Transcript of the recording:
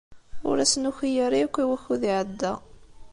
Ur as-nuki ara akk i wakud iɛedda.